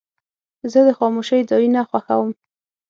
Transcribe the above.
زه د خاموشۍ ځایونه خوښوم.